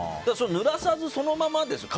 ぬらさず、そのままですよね。